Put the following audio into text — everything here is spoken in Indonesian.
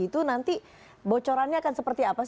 itu nanti bocorannya akan seperti apa